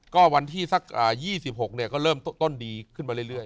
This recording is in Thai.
ก็วันที่สัก๒๖ก็เริ่มต้นดีขึ้นมาเรื่อย